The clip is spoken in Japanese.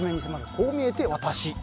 こう見えてワタシ。